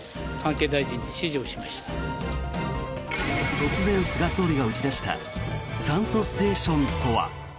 突然、菅総理が打ち出した酸素ステーションとは。